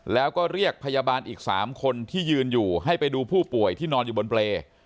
แล้วก็เรียกพยาบาลอีก๓คนที่ยืนอยู่ให้ไปดูผู้ป่วยที่นอนอยู่บนเปรย์